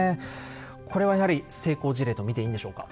これはやはり成功事例と見ていいんでしょうか？